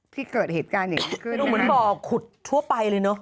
ที่เกิดเหตุการณ์อย่างนี้คือดูเหมือนบ่อขุดทั่วไปเลยเนอะ